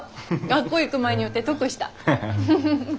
学校行く前に寄って得した。